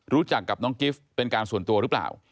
รู้จักกับน้องกิฟต์เป็นการส่วนตัวหรือเปล่า